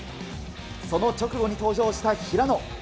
その直後に登場した平野。